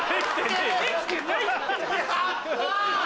できてないって！